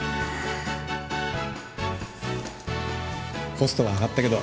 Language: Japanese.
コストは上がったけど